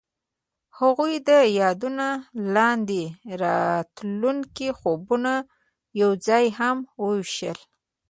هغوی د یادونه لاندې د راتلونکي خوبونه یوځای هم وویشل.